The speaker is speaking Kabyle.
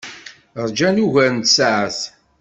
Ṛjan ugar n tsaɛet.